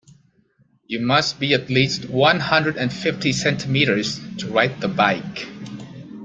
You must be at least one hundred and fifty centimeters to ride the bike.